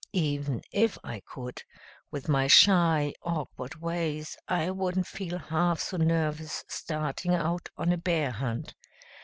Even if I could, with my shy, awkward ways, I wouldn't feel half so nervous starting out on a bear hunt.